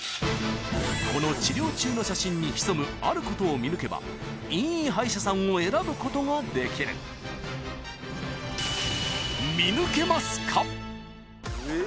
［この治療中の写真に潜むあることを見抜けばいい歯医者さんを選ぶことができる］え！？